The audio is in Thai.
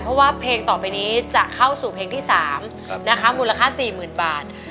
เพราะว่าเพลงต่อไปนี้จะเข้าสู่เพลงที่๓นะคะมูลค่า๔๐๐๐บาท